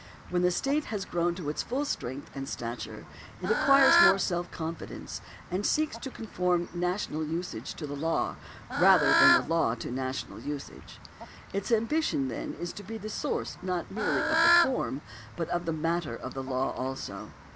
When the state has grown to its full strength and stature, it acquires more self confidence, and seeks to conform national usage to the law, rather than the law to national usage. Its ambition is then to be the source not merely of the form, but of the matter of the law also.